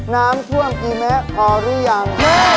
น้ำท่วมกี่แม้พอหรือยัง